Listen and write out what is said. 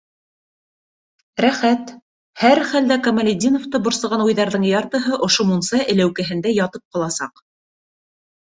Рәхәт!.. һәр хәлдә Камалетдиновты борсоған уйҙарҙың яртыһы ошо мунса эләүкәһендә ятып ҡаласаҡ!